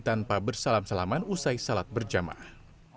tanpa bersalam salaman usai sholat berjemaah